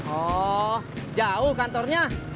oh jauh kantornya